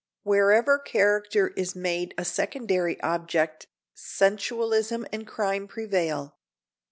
Wherever character is made a secondary object sensualism and crime prevail.